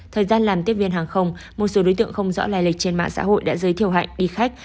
thời gian làm tiếp viên hàng không một số đối tượng không rõ lai lịch trên mạng xã hội đã giới thiệu hạnh đi khách